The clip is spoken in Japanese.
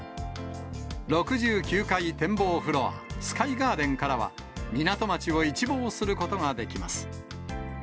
６９階展望フロア、スカイガーデンからは、港町を一望することができます。